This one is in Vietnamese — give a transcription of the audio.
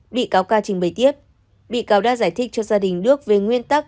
bị cáo ca trình bày tiếp bị cáo đã giải thích cho gia đình đức về nguyên tắc